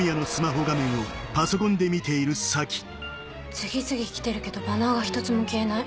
次々来てるけどバナーが１つも消えない。